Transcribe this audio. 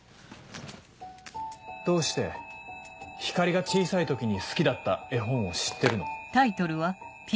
どうして光莉が小さい時に好きだった絵本を知ってるの？